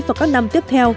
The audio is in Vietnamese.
và các năm tiếp theo